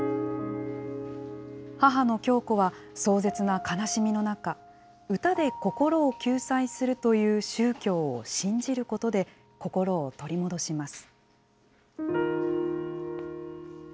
母の響子は、壮絶な悲しみの中、歌で心を救済するという宗教を信じることで、心を取り戻します。